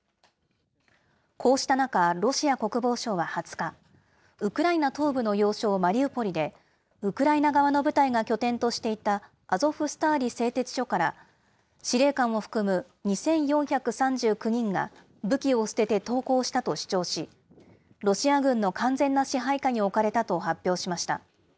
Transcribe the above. こうした中、ロシア国防省は２０日、ウクライナ東部の要衝マリウポリで、ウクライナ側の部隊が拠点としていたアゾフスターリ製鉄所から、司令官を含む２４３９人が武器を捨てて投降したと主張し、ロシア軍の完全な支配下に置かれたと発表しました。